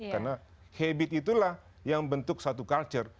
karena habit itulah yang membentuk satu culture